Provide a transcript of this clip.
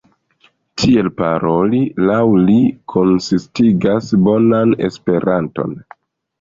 Tiel paroli, laŭ li, konsistigas "bonan" Esperanton.